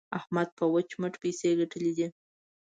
احمد په وچ مټ پيسې ګټلې دي.